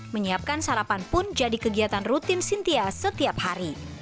menyiapkan sarapan pun jadi kegiatan rutin sintia setiap hari